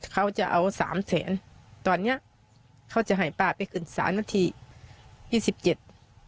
เขาจะเอาสามแสนตอนเนี้ยเขาจะให้ป้าไปขึ้นสามนาทียี่สิบเจ็ด